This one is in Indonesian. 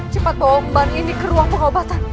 cepat bawa ban ini ke ruang pengobatan